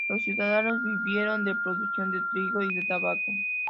Los ciudadanos vivieron de producción de trigo y de tabaco.